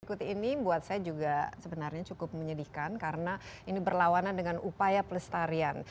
ikut ini buat saya juga sebenarnya cukup menyedihkan karena ini berlawanan dengan upaya pelestarian